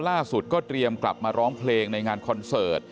ก็เตรียมกลับมาร้องเพลงในงานคอนเสิร์ต